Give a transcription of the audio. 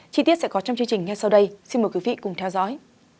chi tiết sẽ có trong chương trình ngay sau đây xin mời quý vị cùng theo dõi